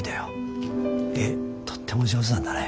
絵とっても上手なんだね。